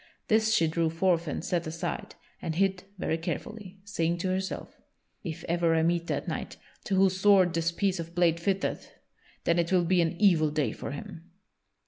This she drew forth and set aside, and hid very carefully, saying to herself: "If ever I meet that knight to whose sword this piece of blade fitteth, then it will be an evil day for him."